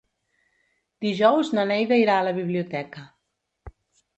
Dijous na Neida irà a la biblioteca.